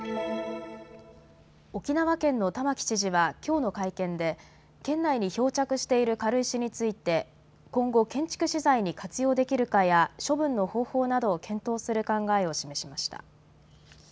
沖縄県の玉城知事はきょうの会見で県内に漂着している軽石について今後、建築資材に活用できるかや処分の方法などを検討する考えを示しました。